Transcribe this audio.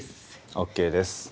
ＯＫです。